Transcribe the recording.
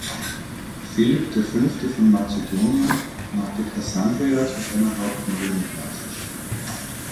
Philipp der Fünfte von Mazedonien machte Kassandria zu seiner Hauptmarinebasis.